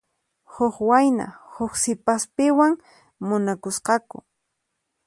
Huk wayna huk sipaspiwan munakusqaku.